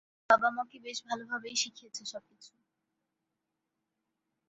বাবা আমাকে বেশ ভালভাবেই শিখিয়েছে সবকিছু!